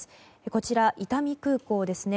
こちら、伊丹空港ですね。